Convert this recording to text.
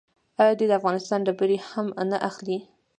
آیا دوی د افغانستان ډبرې هم نه اخلي؟